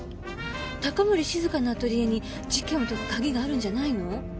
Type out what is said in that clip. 高森静香のアトリエに事件を解くカギがあるんじゃないの？